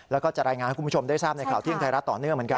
แล้วก็จะรายงานให้คุณผู้ชมได้ทราบในข่าวเที่ยงไทยรัฐต่อเนื่องเหมือนกัน